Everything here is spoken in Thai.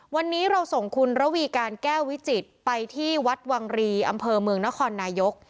วันนี้เราส่งคุณระวีการแก้ววิจิตรไปที่วัดวังรีอำเภอเมืองนครนายก